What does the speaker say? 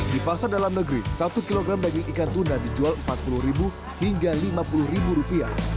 di pasar dalam negeri satu kg daging ikan tuna dijual rp empat puluh hingga rp lima puluh